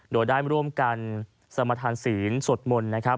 โดยได้ร่วมกันสรรพ์ธรรมศีลสดมนตร